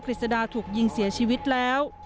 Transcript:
ฤษดาถูกยิงเสียชีวิตแล้ว